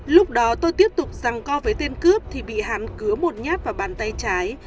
lúc đó tôi tiếp tục răng co với tên cướp thì bị hắn cứa một nhát vào bàn tay trái